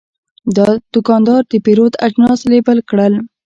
دا دوکاندار د پیرود اجناس لیبل کړل.